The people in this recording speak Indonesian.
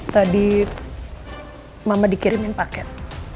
tadi mama dikirimin paket